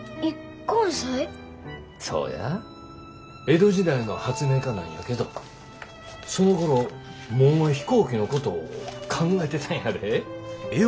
江戸時代の発明家なんやけどそのころもう飛行機のこと考えてたんやで。